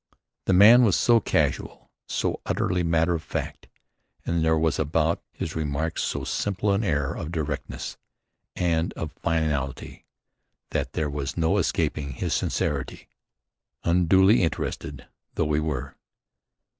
The man was so casual, so utterly matter of fact and there was about his remark so simple an air of directness and of finality that there was no escaping his sincerity, unduly interested though we were.